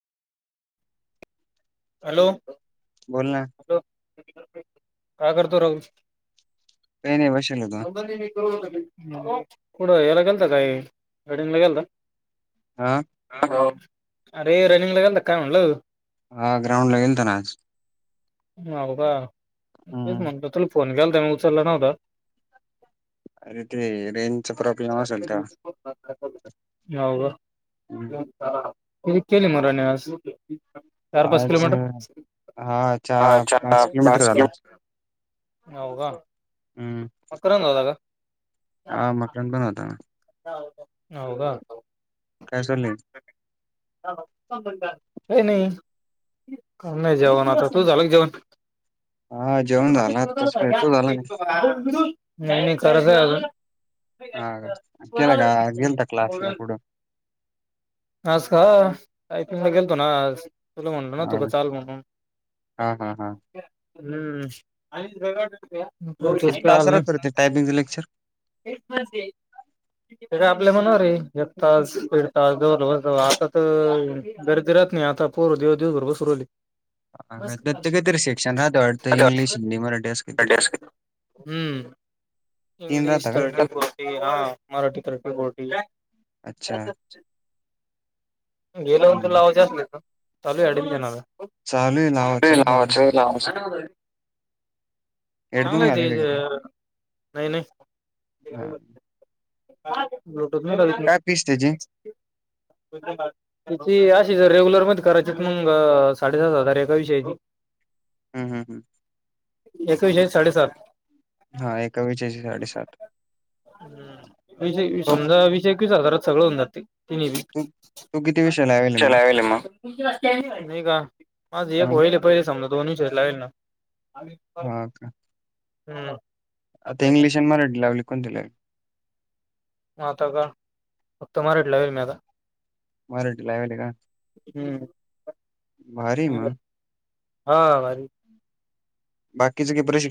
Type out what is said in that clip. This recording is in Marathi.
हॅलो. बोल ना हॅलो, काय करतो राहुल? काही नाही बसेल [unintelligible] होतो कुठ याला गेलता काय गार्डनला गेलता? हा. अरे रनिंग ला गेलता काय म्हणलं हा ग्राउंड ला गेलता ना आज हो का तेच हम्म. म्हणलं तुला फोन केलता मी उचलला नव्हता अरे ते रे हो का? हम्म. [unintelligible] चार आज पाच अं, हा चार किलोमीटर किलोमीटर झाला आज. पाच किलोमीटर हम्म [unintelligible] [unintelligible] रन पण होता. हो का? काय चालंय? अय नाही कर नाही जेवण आता तूह झालं का जेवण? हा जेवण झाला आताच काय तू झाला नाई मी करतय आजून. हा का तेला काय दिवून टाकला असला पडून आज का टायपीगं ले गेलतो ना आज. तुला म्हनल ना हा तुका चाल म्हणून. हा हा हम्म हा न्यू किती टास्क तास आलं राहतो रे ते नाई. टायपिंगचं लेक्चर ते त आपल्या मणावरय एकतास दिडतास. जोवर [unintelligible] आता तर गर्दी राहत नाही आता पोर दिवस दिवस भर बसू रायले. ते ते काहीतरी सेक्शन राहतं वाटतं इंग्लिश हिंदी मराठी असं काहीतरी [unintelligible] हम्म. तीन इंग्लिश राहता का थर्टी फोर्टी हं मराठी थर्टी फोर्टी. अच्छा गेल्याऊन त हम्म. लावायचे आसल त? चालूय अँडमिशन चालू आहे लावायचं लावायचं माझं [unintelligible] चांगलं हेडफोन आहे ते घालेल ज का तू नाही नाही. [unintelligible] ब्लूटूथ नाई काय फीस त्याची? करित मी. ची अशी ज रेग्युलर मध्ये करायची मंग, साडेसात हजार एका विषयाची [inaudible] हम्म हम्म हम्म. एका विषयात साडेसात. हां एका विषयाचे साडेसात. विस ए समजा विस एकवीस हाजारात सगळं हून जाते तीन्ही बी. तू तू किती विषय लावेलय मगं? मी का? माझं एक हां, होयेल हाय पहिले समजा दोन विषयात लावेल ना. हा का. हम्म. आता इंग्लिश आन मराठी लावली कोणती लावली? आता का फक्त मराठी लावेल मी आता. मराठी लावेलय का? हम्म. भारीय म. हा भारी य. बाकीच काही प्रशिक्ष